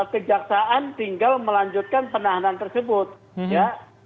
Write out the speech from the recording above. kejaksaan tinggal melanjutkan penahanan tersebut ya